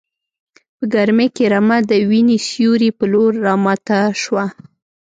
په ګرمۍ کې رمه د وینې سیوري په لور راماته شوه.